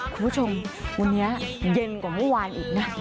คุณผู้ชมวันนี้เย็นกว่าเมื่อวานอีกนะ